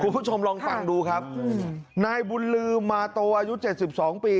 คุณผู้ชมลองฟังดูครับนายบุญลืมมาโตอายุเจ็ดสิบสองปี